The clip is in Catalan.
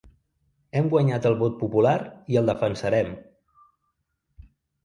Hem guanyat el vot popular i el defensarem!